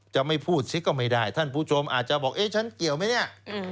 จะไม่พูดซิก็ไม่ได้ท่านผู้ชมอาจจะบอกเอ๊ะฉันเกี่ยวไหมเนี่ย